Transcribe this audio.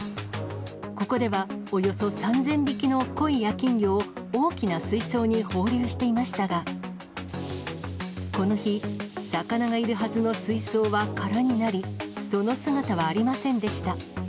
ここではおよそ３０００匹のコイや金魚を、大きな水槽に放流していましたが、この日、魚がいるはずの水槽は空になり、その姿はありませんでした。